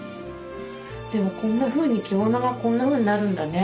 でもこんなふうに着物がこんなふうになるんだね。